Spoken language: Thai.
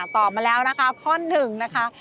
ตอบมาแล้วนะคะข้อหนึ่งนะคะ